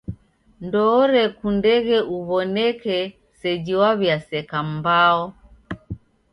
Ndoorekundeghe uw'oneke seji waw'iaseka mbao.